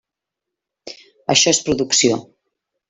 Això és producció.